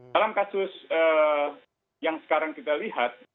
dalam kasus yang sekarang kita lihat